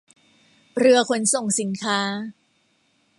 เรือขนส่งสินค้า